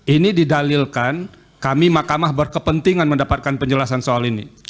ini didalilkan kami mahkamah berkepentingan mendapatkan penjelasan soal ini